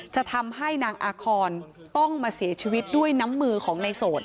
จะทำให้นางอาคอนต้องมาเสียชีวิตด้วยน้ำมือของในโสด